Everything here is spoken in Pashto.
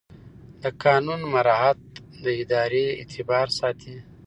د قانون مراعات د ادارې اعتبار ساتي.